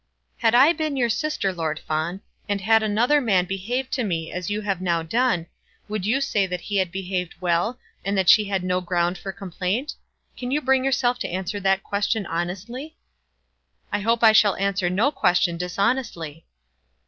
"Had I been your sister, Lord Fawn, and had another man behaved to me as you have now done, would you say that he had behaved well, and that she had no ground for complaint? Can you bring yourself to answer that question honestly?" "I hope I shall answer no question dishonestly."